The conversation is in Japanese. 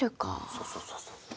そうそうそうそう。